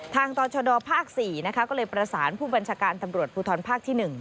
ต่อชดภาค๔นะคะก็เลยประสานผู้บัญชาการตำรวจภูทรภาคที่๑